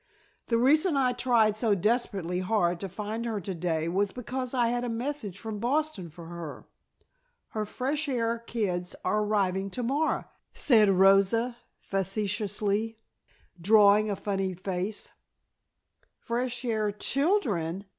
The reason I tried so desperately hard to find her to day was because I had a message from Boston for her. Her fresh air kids are arriving to morrow," said Rosa facetiously, drawing a funny face. "Fresh air children!"